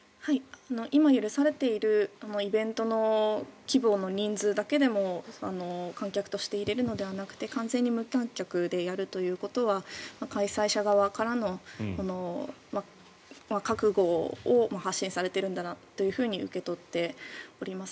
今、許されているイベントの規模の人数だけでも観客として入れるのではなくて完全に無観客としてやるというのは開催者側からの覚悟を発信されてるんだなと受け取っております。